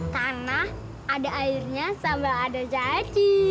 tanah ada airnya sama ada jati